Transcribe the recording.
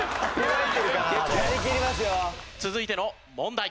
続いての問題。